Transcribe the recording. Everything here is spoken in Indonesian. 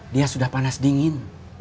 dia sudah panas dingin